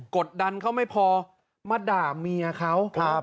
กดดันเขาไม่พอมาด่าเมียเขา